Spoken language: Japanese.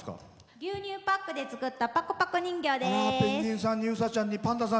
牛乳パックで作ったぱくぱく人形です。